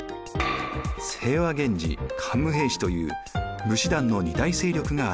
清和源氏桓武平氏という武士団の２大勢力が現れました。